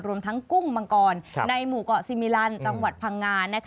รวมทั้งกุ้งมังกรในหมู่เกาะซีมิลันจังหวัดพังงา